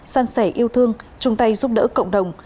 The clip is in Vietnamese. san sẻ yêu thương chung tay giúp đỡ cộng đồng